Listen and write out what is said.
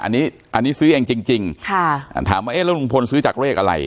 อันนี้อันนี้ซื้อเองจริงจริงค่ะอ่าถามว่าเอ๊ะแล้วลุงพลซื้อจากเลขอะไร